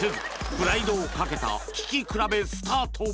プライドをかけた聴き比べスタート